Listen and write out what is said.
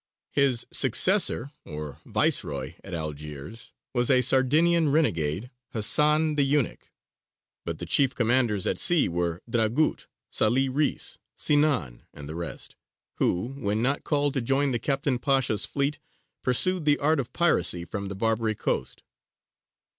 His successor or viceroy at Algiers was a Sardinian renegade, Hasan the Eunuch; but the chief commanders at sea were Dragut, Sālih Reïs, Sinān, and the rest, who, when not called to join the Captain Pasha's fleet, pursued the art of piracy from the Barbary coast.